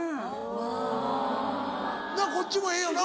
・あぁ・こっちもええよな。